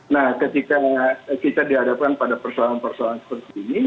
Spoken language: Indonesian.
nah ketika kita dihadapkan pada persoalan persoalan seperti ini